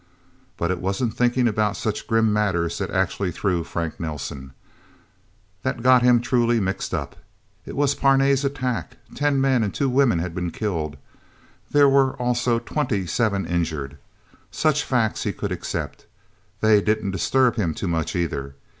But is wasn't thinking about such grim matters that actually threw Frank Nelsen that got him truly mixed up. In Parnay's attack, ten men and two women had been killed. There were also twenty seven injured. Such facts he could accept they didn't disturb him too much, either.